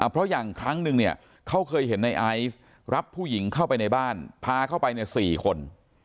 เพราะอย่างครั้งนึงเนี่ยเขาเคยเห็นในไอซ์รับผู้หญิงเข้าไปในบ้านพาเข้าไป๔คน